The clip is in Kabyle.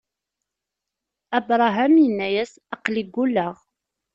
Abṛaham inna-yas: Aql-i ggulleɣ.